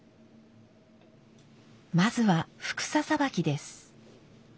まずは帛紗さばきです。